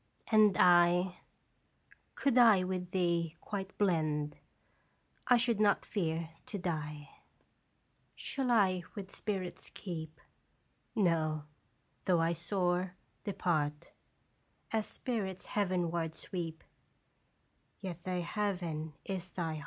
And I Could I with thee quite blend, I should not fear to die. Shall I with spirits keep? No ; though I soar, depart As spirits heavenward sweep, Yet th' heaven is thy heart.